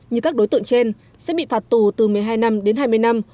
như các đối tượng trên sẽ bị phạt tù từ một mươi hai năm đến hai mươi năm